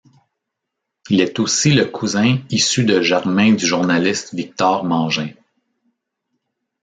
Il est aussi le cousin issu de germain du journaliste Victor Mangin.